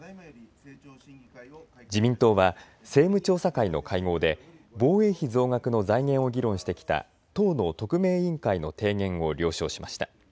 自民党は政務調査会の会合で防衛費増額の財源を議論してきた党の特命委員会の提言を了承しました。